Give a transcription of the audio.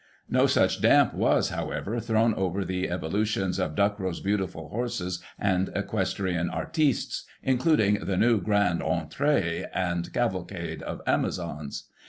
" No such damp was, however, thrown over the evolutions of ' Ducrow's beautiful horses and equestrian artistes,' including the ' new grand entree and calvacade of Amazons.